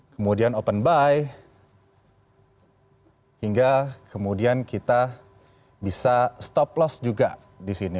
kemudian open buy hingga kemudian kita bisa stop loss juga di sini